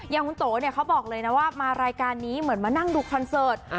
อย่างคุณโตเนี่ยเขาบอกเลยนะว่ามารายการนี้เหมือนมานั่งดูคอนเสิร์ต